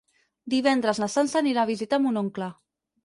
Divendres na Sança anirà a visitar mon oncle.